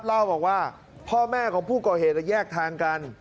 เล่าบอกว่าพ่อแม่ของผู้ก่อเหตุแยกทางกัน